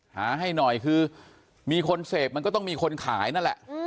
ให้หน่อยคือมีคนเสพมันก็ต้องมีคนขายนั่นแหละ